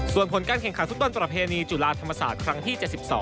ส่วนผลการแข่งขันฟุตบอลประเพณีจุฬาธรรมศาสตร์ครั้งที่๗๒